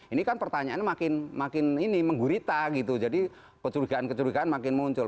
ini kan pertanyaannya makin ini menggurita gitu jadi kecurigaan kecurigaan makin muncul